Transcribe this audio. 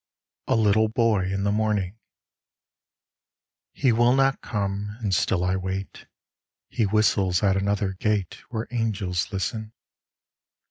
A LITTLE BOY IN THE MORNING He will not come, and still I wait. He whistles at another gate Where angels listen.